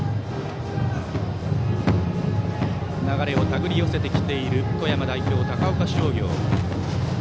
流れを手繰り寄せてきている富山代表の高岡商業。